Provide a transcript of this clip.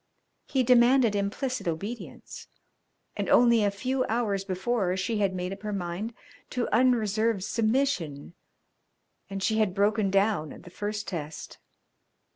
He demanded implicit obedience, and only a few hours before she had made up her mind to unreserved submission, and she had broken down at the first test.